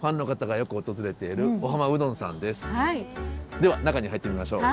では中に入ってみましょう。